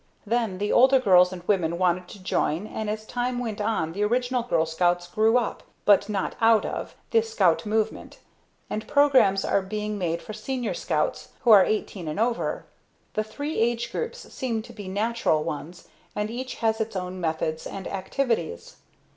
Then the older girls and women wanted to join and as time went on the original Girl Scouts grew up, but not out of, the Scout movement, and programs are being made for Senior Scouts who are eighteen and over. The three age groups seem to be natural ones and each has its own methods and activities.